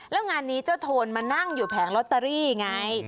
แล้วงานนี้เจ้าโทนมานั่งอยู่แผงลอตเตอรี่ไง